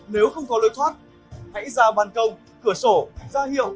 nếu không có lối thoát hãy ra bàn công cửa sổ ra hiệu